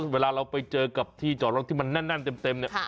เวลาเราไปเจอกับที่จอดรถที่มันแน่นเต็มเนี่ย